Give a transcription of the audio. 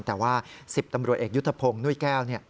แต่ว่า๑๐ตำรวจเอกยุทธพงศ์นุ้ยแก้วเนี่ย